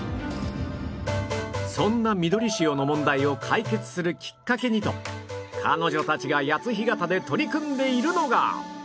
そんな緑潮の問題を解決するきっかけにと彼女たちが谷津干潟で取り組んでいるのが